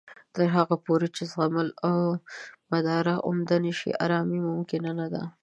تر هغه پورې چې زغمل او مدارا عمده نه شي، ارامۍ ممکنه نه ده